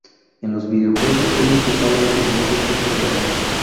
En los videojuegos ellos usaban diferentes tipos de armas.